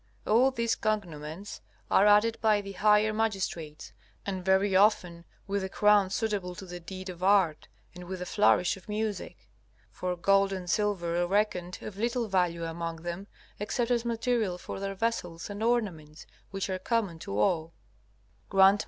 All these cognomens are added by the higher magistrates, and very often with a crown suitable to the deed or art, and with the flourish of music. For gold and silver are reckoned of little value among them except as material for their vessels and ornaments, which are common to all. G.M.